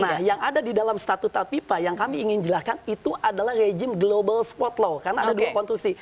nah yang ada di dalam statuta pipa yang kami ingin jelaskan itu adalah rejim global spot law karena ada dua konstruksi